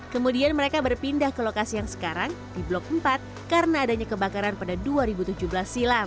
kemudian mereka berpindah ke lokasi yang sekarang di blok empat karena adanya kebakaran pada dua ribu tujuh belas silam